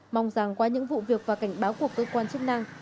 mong rằng qua những vụ việc và cảnh báo của cơ quan chức năng